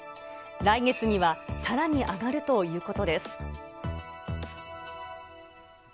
来月にはさらに上がるということです。